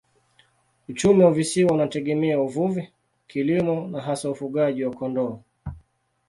Uchumi wa visiwa unategemea uvuvi, kilimo na hasa ufugaji wa kondoo.